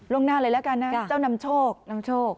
ลงหน้าเลยละกันนะเจ้านำโชค